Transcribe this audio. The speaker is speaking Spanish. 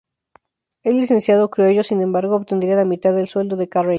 El licenciado criollo, sin embargo, obtendría la mitad del sueldo de Carreño.